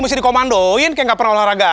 mesti dikomandoin kayak nggak pernah olahraga